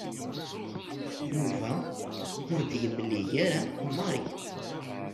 Yuba ur d-yemli ara Mary.